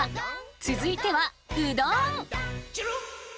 続いてはうどん！